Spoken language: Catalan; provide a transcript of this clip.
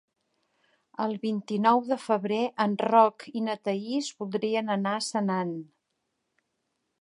El vint-i-nou de febrer en Roc i na Thaís voldrien anar a Senan.